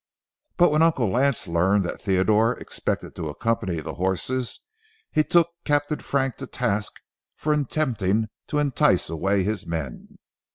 But when Uncle Lance learned that Theodore expected to accompany the horses, he took Captain Frank to task for attempting to entice away his men.